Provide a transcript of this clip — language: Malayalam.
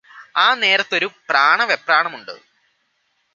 ആ നേരത്ത് ഒരു പ്രാണവെപ്രാണമുണ്ട്